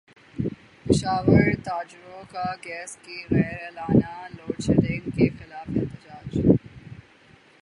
پشاور تاجروں کا گیس کی غیر اعلانیہ لوڈشیڈنگ کیخلاف احتجاج